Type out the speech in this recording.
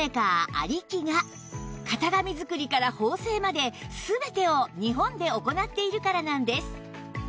有木が型紙作りから縫製まで全てを日本で行っているからなんです